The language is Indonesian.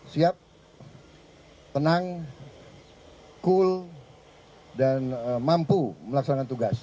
siap tenang cool dan mampu melaksanakan tugas